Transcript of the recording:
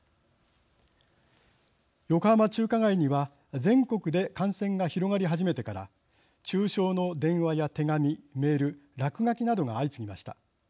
横浜中華街には全国で感染が広がり始めてから中傷の電話や手紙メール落書きなどが相次ぎました。